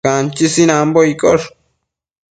Canchi sinanbo iccosh